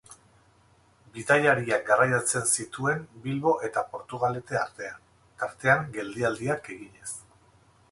Bidaiariak garraiatzen zituen Bilbo eta Portugalete artean, tartean geldialdiak eginez.